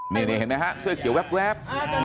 นี่เห็นมั้ยครับเสื้อเขียวแวบ